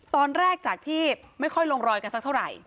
ตอนแรกจากที่ไม่ค่อยลงรอยกันสักเท่าไหร่